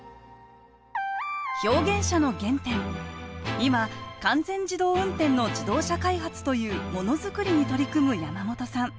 今完全自動運転の自動車開発というものづくりに取り組む山本さん。